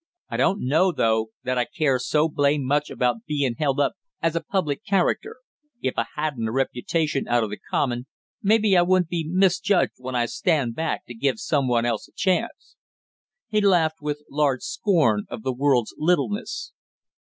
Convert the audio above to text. I don't know, though, that I care so blame much about being held up as a public character; if I hadn't a reputation out of the common, maybe I wouldn't be misjudged when I stand back to give some one else a chance!" He laughed with large scorn of the world's littleness.